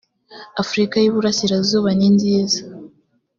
afurika y iburasirazuba ninziza